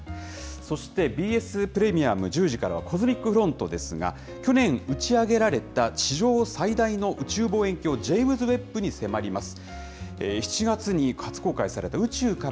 そしてＢＳプレミアム、１０時からはコズミックフロントですが、去年、打ち上げられた史上最大の宇宙望遠鏡、ジェイムズウェッブに迫ります。